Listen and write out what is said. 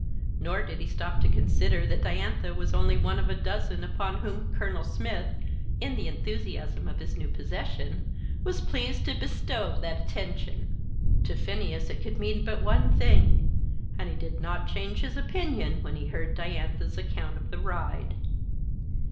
Nor did he stop to consider that Diantha was only one of a dozen upon whom Colonel Smith, in the enthusiasm of his new possession, was pleased to bestow that attention. To Phineas it could mean but one thing; and he did not change his opinion when he heard Diantha's account of the ride.